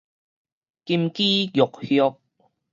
金枝玉葉